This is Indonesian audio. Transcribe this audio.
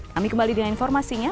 kami kembali dengan informasinya